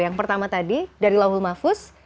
yang pertama tadi dari laul mafus